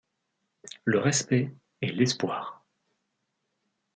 Le respect et l'espoir.